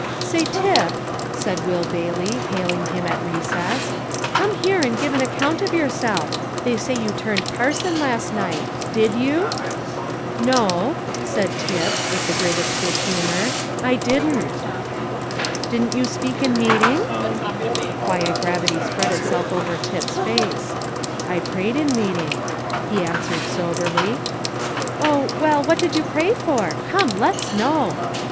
"Say, Tip," said Will Bailey, hailing him at recess, "come here and give an account of yourself. They say you turned parson last night; did you?" "No," said Tip, with the greatest good humour, "I didn't." "Didn't you speak in meeting?" A quiet gravity spread itself over Tip's face. "I prayed in meeting," he answered soberly. "Oh, well, what did you pray for? Come, let's know."